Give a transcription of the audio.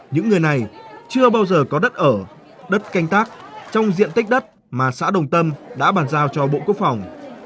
những người này chưa bao giờ có đất ở đất canh tác trong diện tích đất mà xã đồng tâm đã bàn giao cho bộ quốc phòng